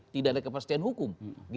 tidak ada kepastian hukum